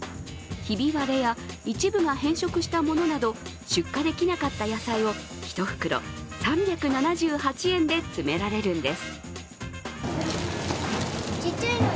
ひび割れや、一部が変色したものなど出荷できなかった野菜を一袋３７８円で詰められるんです。